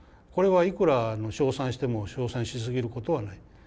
これはいくら称賛しても称賛しすぎることはない。